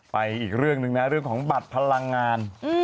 อีกเรื่องหนึ่งนะเรื่องของบัตรพลังงาน